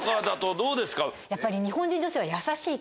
やっぱり。